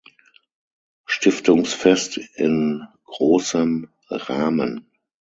Stiftungsfest in großem Rahmen.